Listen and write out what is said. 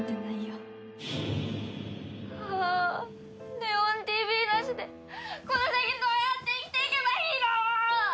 ああ「祢音ＴＶ」なしでこの先どうやって生きていけばいいの！？